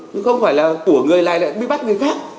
chứ không phải là của người này lại bị bắt người khác